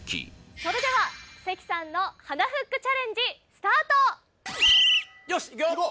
それでは関さんの鼻フックチャレンジスタートよしいくよい